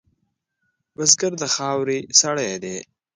بزګر د خاورې سړی دی